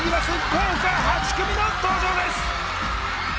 豪華８組の登場です！